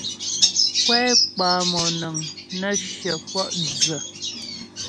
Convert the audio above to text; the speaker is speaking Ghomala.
Kwɛ kwa moŋəŋ nə́ shyə kwɔ' dsə.